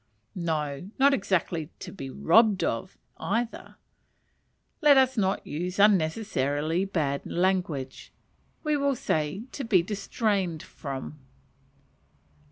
No, not exactly to be robbed of, either; let us not use unnecessarily bad language we will say to be distrained upon.